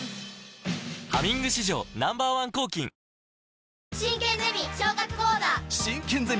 「ハミング」史上Ｎｏ．１抗菌さて！